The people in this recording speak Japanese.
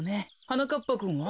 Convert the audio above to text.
はなかっぱくんは？